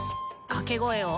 掛け声を。